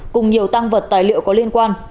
cùng nhiều tăng vật tài liệu có liên quan